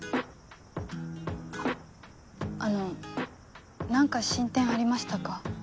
あの何か進展ありましたか？